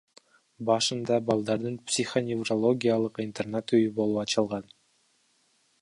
Башында балдардын психоневрологиялык интернат үйү болуп ачылган.